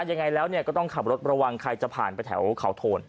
ยังไงแล้วก็ต้องขับรถระวังใครจะผ่านไปแถวเขาโทน